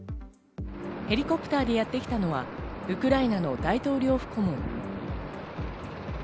ヘリコプターでやってきたのはウクライナの大統領府顧問。